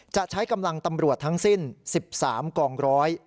จะใช้กำลังตำรวจทั้งสิ้น๑๓กองร้อย